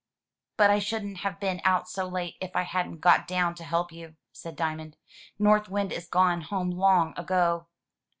"But I shouldn't have been out so late if I hadn't got down to help you/* said Diamond. "North Wind is gone home long ago.'